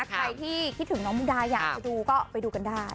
ใครที่คิดถึงน้องมุกดาอยากจะดูก็ไปดูกันได้